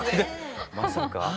まさか。